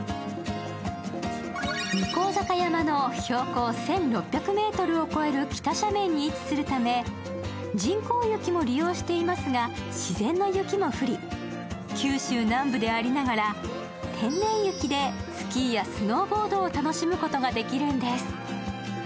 向坂山の標高１６００ｍを超える北斜面に位置するため、人工雪も利用していますが、自然の雪も降り、九州南部でありながら天然雪でスキーやスノーボードを楽しむことができるんです。